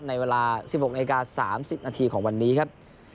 ในเวลา๑๖นาที๓๐นาทีของวันนี้ครับ